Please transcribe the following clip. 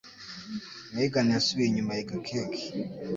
Megan yasubiye inyuma yiga keke.